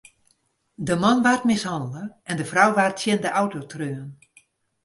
De man waard mishannele en de frou waard tsjin de auto treaun.